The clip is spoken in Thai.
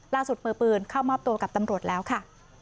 ล่าสุดมือปืนเข้ามอบตัวกับตำรวจแล้วค่ะ